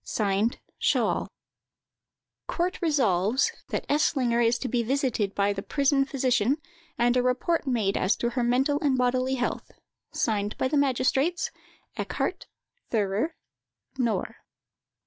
Signed "SCHAHL." "COURT RESOLVES, "That Eslinger is to be visited by the prison physician, and a report made as to her mental and bodily health. "Signed by the magistrates, "ECKHARDT, "THEURER, "KNORR."